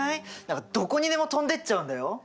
どこにでも飛んでっちゃうんだよ。